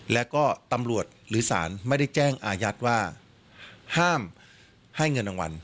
แล้วก็ตำรวจหรือศาลไม่ได้แจ้งอายัดว่าห้ามให้เงินรางวัล